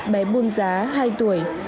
bé buôn giá hai tuổi